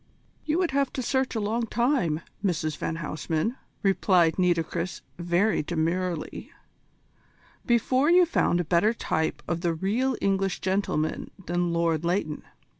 "You would have to search a long time, Mrs van Huysman," replied Nitocris very demurely, "before you found a better type of the real English gentleman than Lord Leighton.